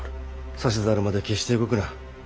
指図あるまで決して動くな。